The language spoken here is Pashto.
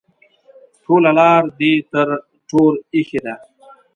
ټوله لار دې ټر ټور ایښی ده.